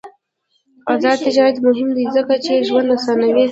آزاد تجارت مهم دی ځکه چې ژوند اسانوي.